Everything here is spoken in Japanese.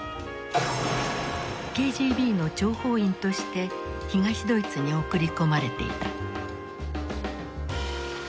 ＫＧＢの諜報員として東ドイツに送り込まれていた。